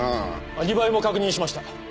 アリバイも確認しました。